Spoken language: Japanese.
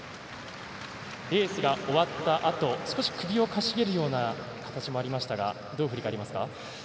レースが終わったあと少し首をかしげる形もありましたがどう振り返りますか。